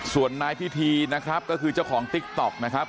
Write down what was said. ส่วนนายพิธีนะครับก็คือเจ้าของติ๊กต๊อกนะครับ